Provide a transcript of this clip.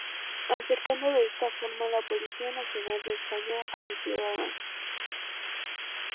Acercando de esta forma la Policía Nacional de España a los ciudadanos.